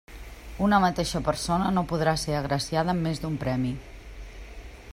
Una mateixa persona no podrà ser agraciada amb més d'un premi.